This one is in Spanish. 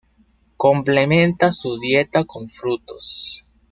Complementa su dieta con frutos.